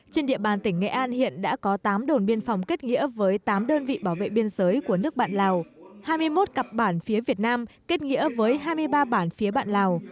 trên địa bàn tỉnh nghệ an hiện đã có tám đồn biên phòng kết nghĩa với tám đơn vị bảo vệ biên giới của nước bạn lào hai mươi một cặp bản phía việt nam kết nghĩa với hai mươi ba bản phía bạn lào